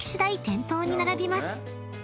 店頭に並びます］